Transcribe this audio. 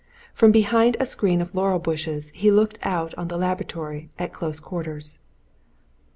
From behind a screen of laurel bushes he looked out on the laboratory, at close quarters.